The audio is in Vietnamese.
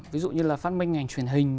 ví dụ như là phát minh ngành truyền hình